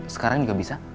sekarang juga bisa